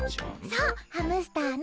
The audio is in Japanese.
そうハムスターの。